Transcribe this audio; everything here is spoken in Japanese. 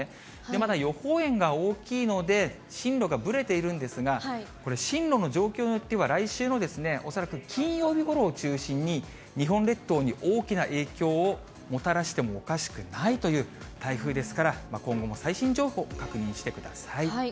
まだ予報円が大きいので、進路がぶれているんですが、これ、進路の状況によっては、来週の恐らく金曜日ごろを中心に、日本列島に大きな影響をもたらしてもおかしくないという台風です